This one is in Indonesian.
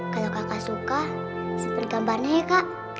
kalau kakak suka simpen gambarnya ya kak